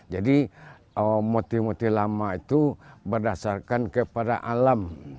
jadi motif motif lama itu berdasarkan kepada alam